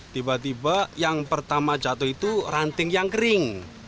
tiba tiba yang pertama jatuh itu ranting yang kering